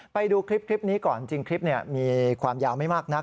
ไปดูคลิปนี้ก่อนจริงคลิปมีความยาวไม่มากนัก